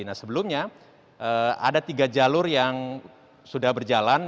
nah sebelumnya ada tiga jalur yang sudah berjalan